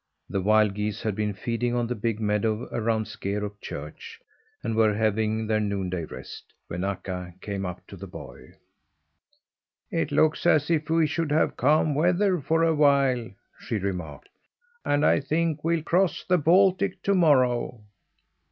The wild geese had been feeding on the big meadow around Skerup church and were having their noonday rest when Akka came up to the boy. "It looks as if we should have calm weather for awhile," she remarked, "and I think we'll cross the Baltic to morrow."